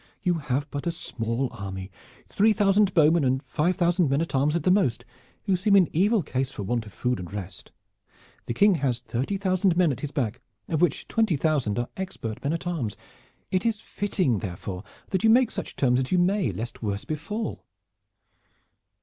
You have but a small army, three thousand bowmen and five thousand men at arms at the most, who seem in evil case for want of food and rest. The King has thirty thousand men at his back, of which twenty thousand are expert men at arms. It is fitting therefore that you make such terms as you may, lest worse befall."